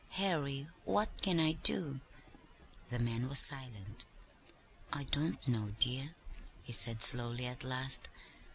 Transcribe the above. Harry, what can I do?" The man was silent. "I don't know, dear," he said slowly, at last.